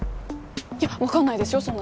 いや分かんないですよ